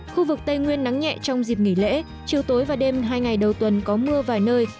khu vực tây nguyên nắng nhẹ trong dịp nghỉ lễ chiều tối và đêm hai ngày đầu tuần có mưa vài nơi